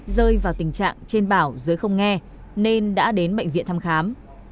rơi vào tình trạng trên bảo dưới không nghe nên đã đến bệnh viện thăm khám